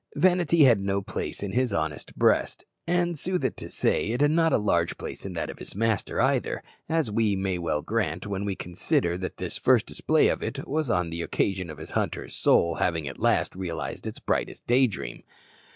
Vanity had no place in his honest breast, and, sooth to say, it had not a large place in that of his master either, as we may well grant when we consider that this first display of it was on the occasion of his hunter's soul having at last realized its brightest day dream.